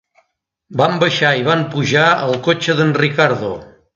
Van baixar i van pujar al cotxe d'en Ricardo.